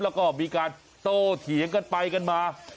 แล้วก็มีการโตเถียงกันไปกันมา